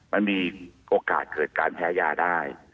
มันมีโอกาสเกิดการแพ้ยาได้